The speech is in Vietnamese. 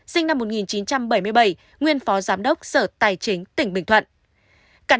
sinh năm một nghìn chín trăm bảy mươi bảy nguyên phó giám đốc sở tài chính tỉnh bình thuận